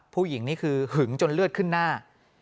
นี่คือหึงจนเลือดขึ้นหน้า